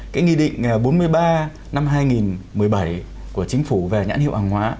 cái nghị định bốn mươi ba năm hai nghìn một mươi bảy của chính phủ về nhãn hiệu hàng hóa